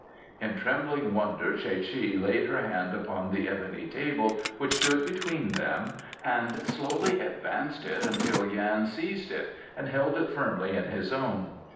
In trembling wonder Tsae che laid her hand upon the ebony table which stood between them and slowly advanced it until Yan seized it and held it firmly in his own.